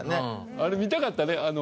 あれ見たかったね。